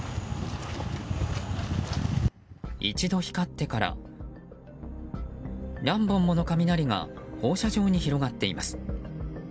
一度光ってから何本もの雷が放射状に広がっています。